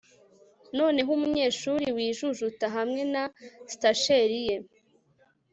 Noneho umunyeshuri wijujuta hamwe na satchel ye